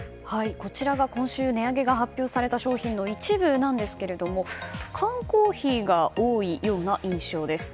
こちらが、今週値上げが発表された商品の一部なんですが缶コーヒーが多いような印象です。